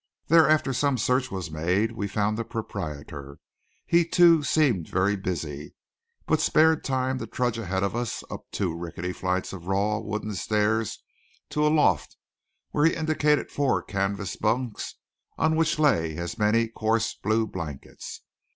There after some search was made we found the proprietor. He, too, seemed very busy, but he spared time to trudge ahead of us up two rickety flights of raw wooden stairs to a loft where he indicated four canvas bunks on which lay as many coarse blue blankets.